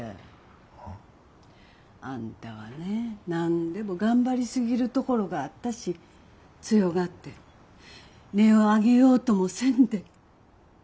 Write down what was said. は？あんたはね何でも頑張りすぎるところがあったし強がって音を上げようともせんで。